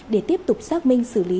để tiếp tục xác minh xử lý